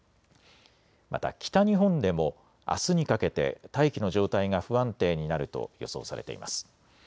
また北日本でも、あすにかけて大気の状態が不安定になると予想されています。